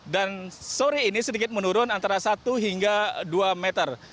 dan sore ini sedikit menurun antara satu hingga dua meter